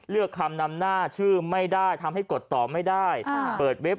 เลือกคำนำหน้าชื่อไม่ได้ทำให้กดต่อไม่ได้เปิดเว็บ